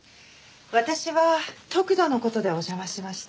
私は得度の事でお邪魔しました。